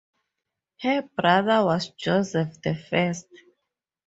Her brother was Joseph the First.